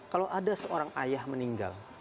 kalau ada seorang ayah meninggal